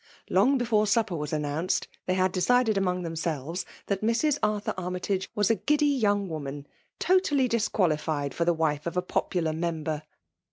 Long before supper was an : nounced they had decided among themselves that Mrs. Arthur Army tage was a giddy young womads ;— ^totally disqualified for the wife of a popukr member.